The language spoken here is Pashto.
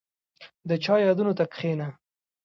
• د چا یادونو ته کښېنه.